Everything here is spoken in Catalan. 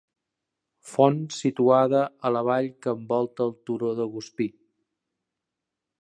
Font situada a la vall que envolta el turó de Gospí.